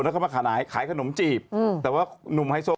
เข้ามาขนายขายขนมจีบแต่ว่าหนุ่มไฮโซคนนี้เนี่ย